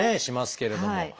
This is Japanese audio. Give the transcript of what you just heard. しますけれども。